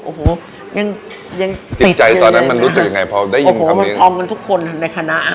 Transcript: โอ้โหยังยังติดเลยติดใจตอนนั้นมันรู้สึกยังไงพอได้ยินคำนี้โอ้โหมันพองกันทุกคนในคณะ